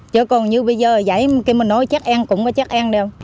chứ còn như bây giờ vậy khi mình nói chắc em cũng có chắc em